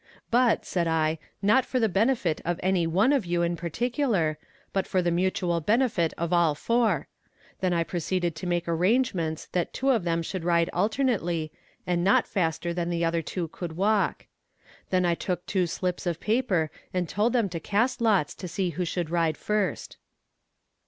But, said I, not for the benefit of any one of you in particular, but for the mutual benefit of all four; then I proceeded to make arrangements that two of them should ride alternately, and not faster than the other two could walk. Then I took two slips of paper and told them to cast lots to see who should ride first.